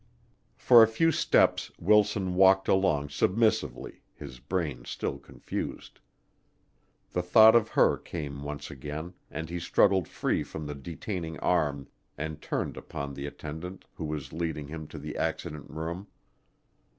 For a few steps Wilson walked along submissively, his brain still confused. The thought of her came once again, and he struggled free from the detaining arm and turned upon the attendant who was leading him to the accident room.